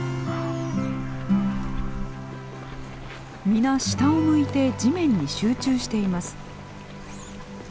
皆下を向いて地面に集中しています。